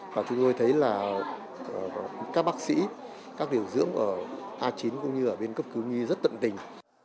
và chúng tôi thấy là các bác sĩ các điều dưỡng ở a chín cũng như ở bên cấp cứu nhi rất tận tình